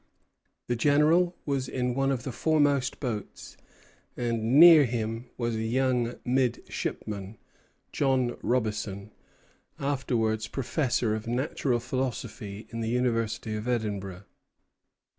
The General was in one of the foremost boats, and near him was a young midshipman, John Robison, afterwards professor of natural philosophy in the University of Edinburgh.